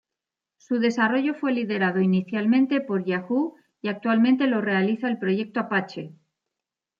Su desarrollo fue liderado inicialmente por Yahoo y actualmente lo realiza el proyecto Apache.